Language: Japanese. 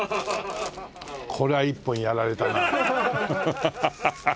これは一本やられたな。